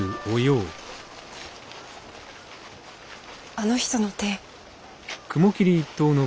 あの人の手。